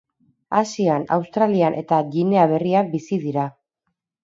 Asian, Australian eta Ginea Berrian bizi dira.